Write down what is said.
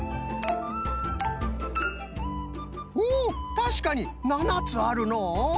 たしかに７つあるのう。